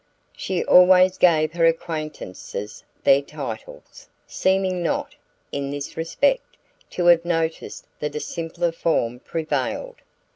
She always gave her acquaintances their titles, seeming not, in this respect, to have noticed that a simpler form prevailed.